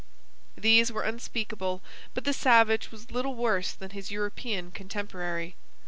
These were unspeakable, but the savage was little worse than his European contemporary.